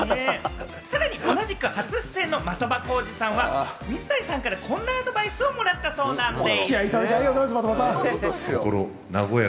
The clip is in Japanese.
さらに同じく、初出演の的場浩司さんは水谷さんからこんなアドバイスをもらったそうなんでぃす！